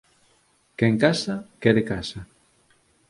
Quen casa quere casa.